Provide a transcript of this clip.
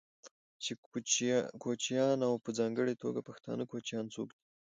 چې کوچيان او په ځانګړې توګه پښتانه کوچيان څوک دي،